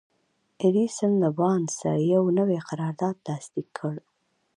ايډېسن له بارنس سره يو نوی قرارداد لاسليک کړ.